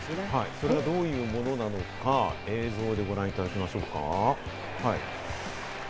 それどういうものなのか画像でご覧いただきましょうか。